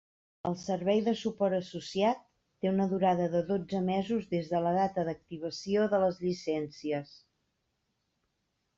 El servei de suport associat té una durada de dotze mesos des de la data d'activació de les llicències.